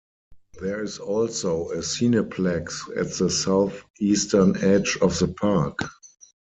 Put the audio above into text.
There is also a cineplex at the southeastern edge of the park.